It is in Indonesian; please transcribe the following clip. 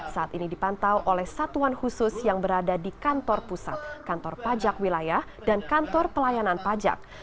saat ini dipantau oleh satuan khusus yang berada di kantor pusat kantor pajak wilayah dan kantor pelayanan pajak